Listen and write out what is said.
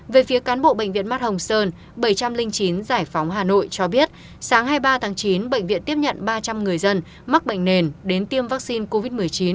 về phía cán bộ bệnh viện mắt hồng sơn bảy trăm linh chín giải phóng hà nội cho biết sáng hai mươi ba tháng chín bệnh viện tiếp nhận ba trăm linh người dân mắc bệnh nền đến tiêm vaccine covid một mươi chín